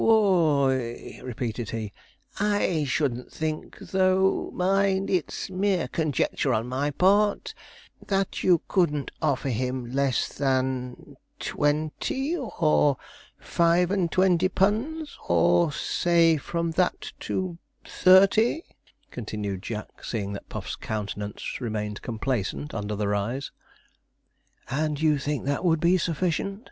'W h o o y!' repeated he, 'I shouldn't think though, mind, it's mere conjectur' on my part that you couldn't offer him less than twenty or five and twenty punds; or, say, from that to thirty,' continued Jack, seeing that Puff's countenance remained complacent under the rise. 'And that you think would be sufficient?'